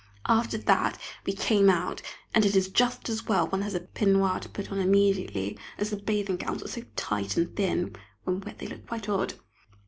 After that we came out, and it is just as well one has a peignoir to put on immediately, as the bathing gowns are so tight and thin, when wet they look quite odd.